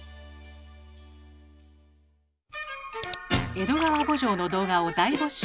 「江戸川慕情」の動画を大募集。